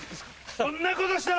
そんなことしたら。